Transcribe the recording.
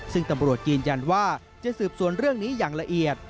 ซึ่งตำรวจยืนยันว่าจะสืบสวนเรื่องนี้อย่างละเอียด